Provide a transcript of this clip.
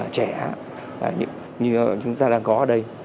trẻ như chúng ta đang có ở đây